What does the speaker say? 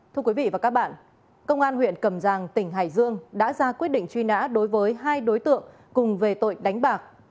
thưa quý vị và các bạn công an huyện cầm giang tỉnh hải dương đã ra quyết định truy nã đối với hai đối tượng cùng về tội đánh bạc